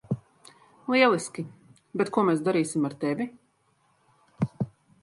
Lieliski, bet ko mēs darīsim ar tevi?